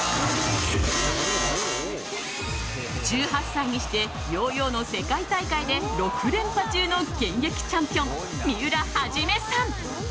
１８歳にしてヨーヨーの世界大会で６連覇中の現役チャンピオン三浦元さん。